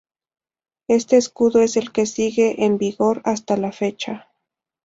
Este escudo es el que sigue en vigor hasta la fecha.